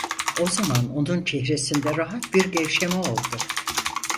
O zaman onun çehresinde rahat bir gevşeme oldu.